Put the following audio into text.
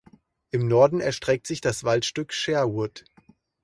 Im Norden erstreckt sich das Waldstück "Sherwood".